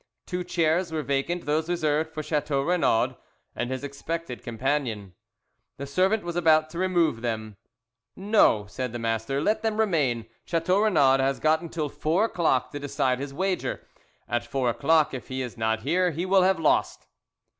Two chairs were vacant, those reserved for Chateau Renaud and his expected companion. The servant was about to remove them. "No," said the master, "let them remain; Chateau Renaud has got until four o'clock to decide his wager. At four o'clock if he is not here he will have lost."